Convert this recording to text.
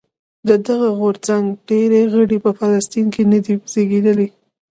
د دغه غورځنګ ډېری غړي په فلسطین کې نه دي زېږېدلي.